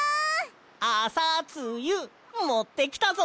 あさつゆもってきたぞ！